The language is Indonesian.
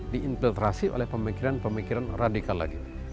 diinfiltrasi oleh pemikiran pemikiran radikal lagi